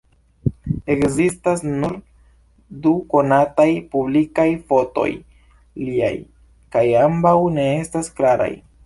Ekzistas nur du konataj publikaj fotoj liaj; kaj ambaŭ ne estas klaraj.